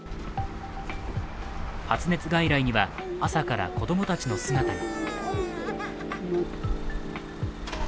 発熱外来には、朝から子供たちの姿が。